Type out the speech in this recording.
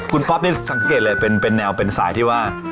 คุณป๊อปนี่สังเกตเลยเป็นแนวเป็นสายที่ว่า